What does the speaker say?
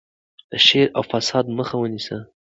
د شر او فساد مخه ونیسئ.